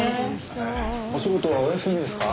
お仕事はお休みですか？